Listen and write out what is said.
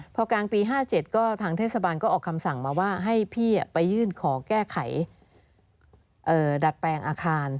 พอกลางปี๕๗ก็ทางเทศบาลก็ออกคำสั่งมาว่าให้พี่ไปยื่นขอแก้ไขดัดแปลงอาคาร